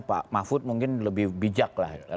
pak mahfud mungkin lebih bijak lah